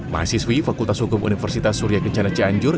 mahasiswi fakultas hukum universitas surya kencana cianjur